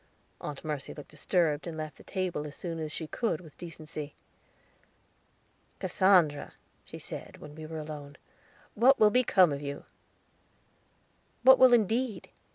Aunt Mercy looked disturbed, and left the table as soon as she could with decency. "Cassandra," she said, when we were alone, "what will become of you?" "What will, indeed?